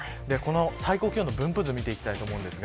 最高気温の分布図見ていきます。